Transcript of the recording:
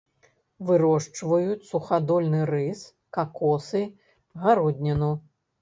Вырошчваюць сухадольны рыс, какосы, гародніну.